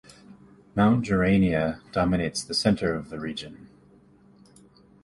Mount Geraneia dominates the center of the region.